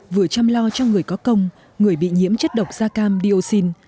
vừa chăm lo cho người có công người bị nhiễm chất độc da cam dioxin